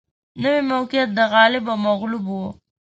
نوي موقعیت د غالب او مغلوب و